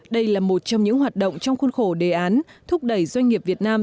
đây là một trong những hoạt động trong khuôn khổ đề án thúc đẩy doanh nghiệp việt nam